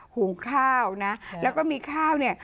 หุงข้าวนะแล้วก็มีข้าวเนี่ย